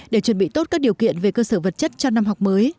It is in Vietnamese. để chuẩn bị tốt các điều kiện về cơ sở vật chất cho năm học mới